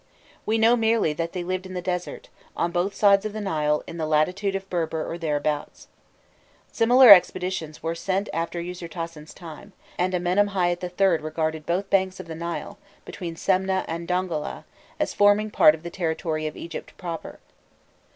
We know merely that they lived in the desert, on both sides of the Nile, in the latitude of Berber or thereabouts. Similar expeditions were sent after Ûsirtasen's time, and Amenem hâît III. regarded both banks of the Nile, between Semneh and Dongola, as forming part of the territory of Egypt proper.